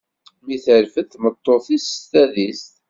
Mi terfed tmeṭṭut-is s tadist.